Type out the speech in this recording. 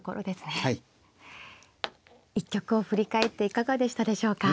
一局を振り返っていかがでしたでしょうか。